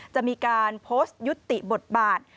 จะมีการโพสต์ยุติบทบาท